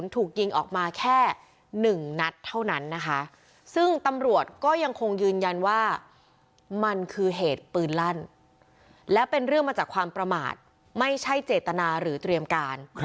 ถูกยิงออกมาแค่๑นัดเท่านั้นนะคะซึ่งตำรวจก็ยังคงยืนยันว่ามันคือเหตุปืนลั่นและเป็นเรื่องมาจากความประมาทไม่ใช่เจตนาหรือเตรียมการ